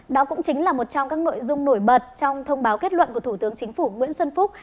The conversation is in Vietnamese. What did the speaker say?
đó cũng chính là một trong các nội dung nổi bật trong thông báo kết luận của thủ tướng chính phủ nguyễn xuân phúc